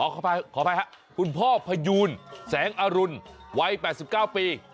ขออภัยครับคุณพ่อพยูนแสงอรุณวัย๘๙ปี